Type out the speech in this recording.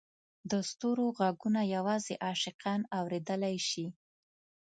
د ستورو ږغونه یوازې عاشقان اورېدلای شي.